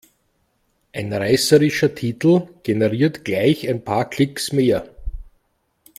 Ein reißerischer Titel generiert gleich ein paar Klicks mehr.